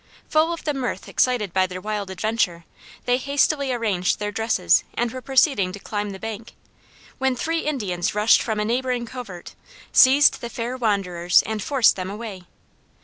Full of the mirth excited by their wild adventure they hastily arranged their dresses and were proceeding to climb the bank, when three Indians rushed from a neighboring covert, seized the fair wanderers, and forced them away.